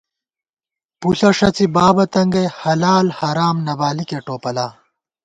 پُݪہ ݭڅی، بابہ تنگئ ، حلال حرام نہ بالِکے ٹوپلا